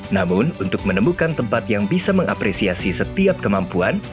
namun untuk menemukan tempat yang bisa mengapresiasi setiap kemampuan